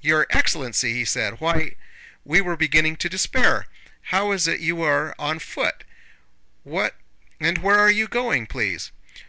"Your excellency!" he said. "Why, we were beginning to despair! How is it you are on foot? And where are you going, please?"